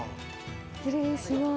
失礼します。